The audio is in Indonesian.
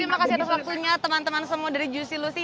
terima kasih atas waktunya teman teman semua dari juic lucy